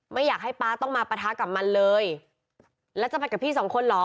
ไม่อยากให้ป๊าต้องมาปะทะกับมันเลยแล้วจะไปกับพี่สองคนเหรอ